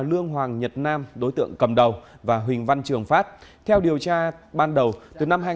lương hoàng nhật nam đối tượng cầm đầu và huỳnh văn trường phát theo điều tra ban đầu từ năm hai nghìn một mươi